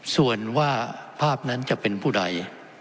ส่วนว่าภาพนั้นจะเป็นผู้ใด